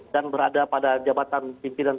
dan berada pada jabatan pimpinan